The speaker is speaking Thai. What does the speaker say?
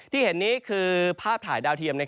ที่เห็นนี้คือภาพถ่ายดาวเทียม